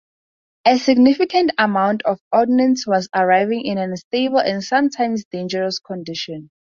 A significant amount of ordnance was arriving in an unstable, and sometimes dangerous, condition.